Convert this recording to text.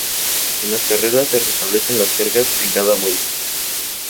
En las carreras, se restablecen las cargas en cada vuelta.